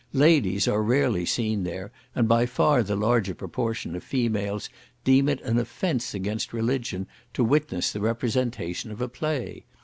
Ladies are rarely seen there, and by far the larger proportion of females deem it an offence against religion to witness the representation of a play.